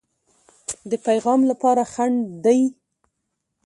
د پیغام لپاره خنډ دی.